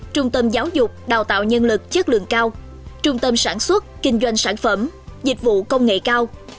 trung tâm giáo dục đào tạo nhân lực chất lượng cao trung tâm sản xuất kinh doanh sản phẩm dịch vụ công nghệ cao